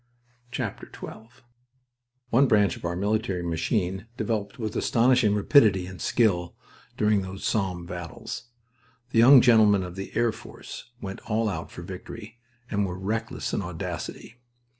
XII One branch of our military machine developed with astonishing rapidity and skill during those Somme battles. The young gentlemen of the Air Force went "all out" for victory, and were reckless in audacity.